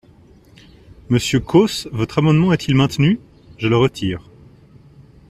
Monsieur Causse, votre amendement est-il maintenu ? Je le retire.